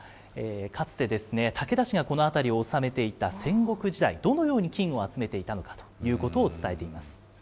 かつて武田氏がこの辺りをおさめていた戦国時代、どのように金を集めていたのかということを伝えています。